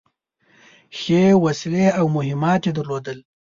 ښې وسلې او مهمات يې درلودل.